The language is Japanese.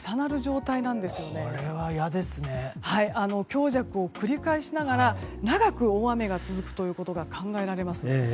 強弱を繰り返しながら長く大雨が続くということが考えられます。